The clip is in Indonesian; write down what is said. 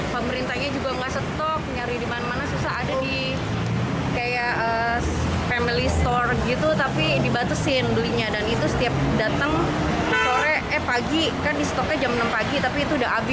pembeli hand sanitizer di toko kimia